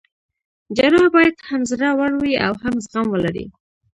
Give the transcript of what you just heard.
جراح باید هم زړه ور وي او هم زغم ولري.